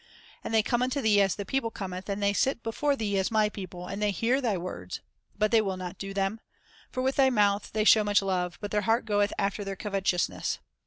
And they come unto thee as the people cometh, and they sit before thee as My people, and they hear thy words, but they will not do them; for with their mouth they show much love; but their heart goeth after their covetousness.